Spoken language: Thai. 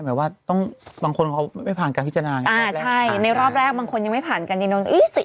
หมายว่าต้องบางคนเขาไม่ผ่านการพิจารณาในรอบแรกบางคนยังไม่ผ่านการพิจารณา